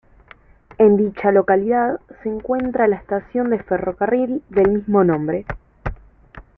En dicha localidad se encuentra la estación de ferrocarril del mismo nombre.